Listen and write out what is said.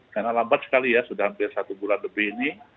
karena lambat sekali ya sudah hampir satu bulan lebih ini